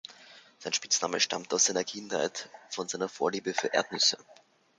Sein Spitzname stammt aus seiner Kindheit von seiner Vorliebe für Erdnüsse.